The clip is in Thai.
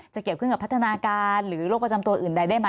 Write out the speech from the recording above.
จะเกี่ยวข้องกับพัฒนาการหรือโรคประจำตัวอื่นใดได้ไหม